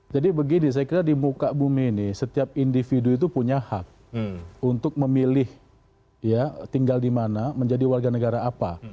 jadi begini saya kira di muka bumi ini setiap individu itu punya hak untuk memilih tinggal di mana menjadi warga negara apa